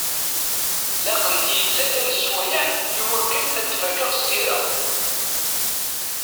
Laqent-iyi tlata n sswayeɛ i wakken ad t-fakeɣ s tira.